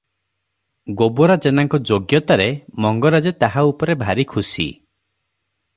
ଗୋବରା ଜେନାଙ୍କ ଯୋଗ୍ୟତାରେ ମଙ୍ଗରାଜେ ତାହା ଉପରେ ଭାରିଖୁସି ।